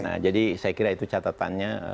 nah jadi saya kira itu catatannya